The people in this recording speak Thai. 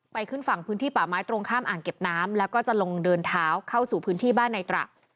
ขึ้นฝั่งพื้นที่ป่าไม้ตรงข้ามอ่างเก็บน้ำแล้วก็จะลงเดินเท้าเข้าสู่พื้นที่บ้านในตระ